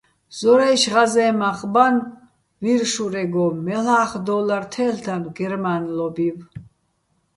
ზორაჲში̆ ღაზეჼ მახ ბანო̆ ვირ შურეგო, მელ'ახ დო́ლარ თე́ლ'დანო̆ გერმა́ნლობივ.